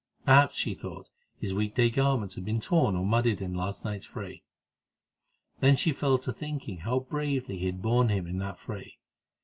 Perhaps, she thought, his weekday garments had been torn or muddied in last night's fray. Then she fell to thinking how bravely he had borne him in that fray.